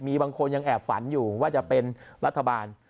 มีบางคนยังแอบฝันอยู่ว่าจะเป็นรัฐบาล